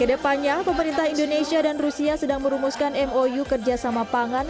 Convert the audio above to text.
kedepannya pemerintah indonesia dan rusia sedang merumuskan mou kerjasama pangan